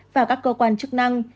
và các cơ quan chức năng